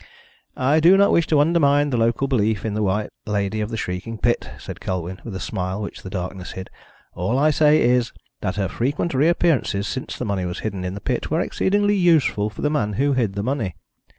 "I do not wish to undermine the local belief in the White Lady of the Shrieking Pit," said Colwyn, with a smile which the darkness hid. "All I say is that her frequent reappearances since the money was hidden in the pit were exceedingly useful for the man who hid the money.